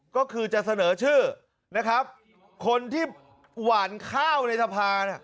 ก็คือจะเสนอชื่อนะครับคนที่หวานข้าวในสภา